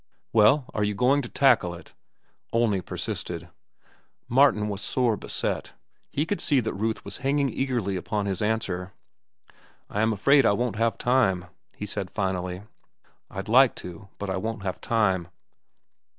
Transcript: "Well, are you going to tackle it?" Olney persisted. Martin was sore beset. He could see that Ruth was hanging eagerly upon his answer. "I am afraid I won't have time," he said finally. "I'd like to, but I won't have time."